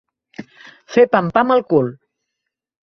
Fer pam pam al cul.